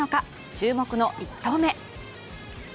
注目の１投目。